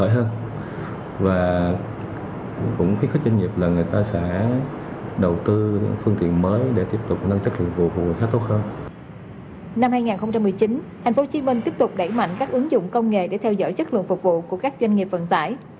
hành phố hồ chí minh tiếp tục đẩy mạnh các ứng dụng công nghệ để theo dõi chất lượng phục vụ của các doanh nghiệp vận tải